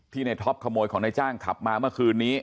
ในท็อปขโมยของนายจ้างขับมาเมื่อคืนนี้